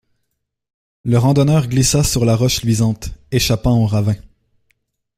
Le randonneur glissa sur la roche luisante, échappant au ravin.